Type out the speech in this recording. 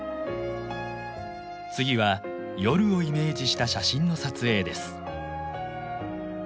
次は夜をイメージした写真の撮影です。